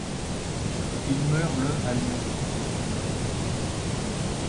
Il meurt le à Lyon.